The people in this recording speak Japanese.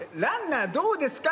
ランナーどうですか？